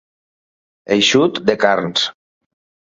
Eixut de carns.